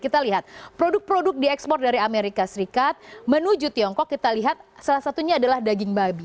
kita lihat produk produk diekspor dari amerika serikat menuju tiongkok kita lihat salah satunya adalah daging babi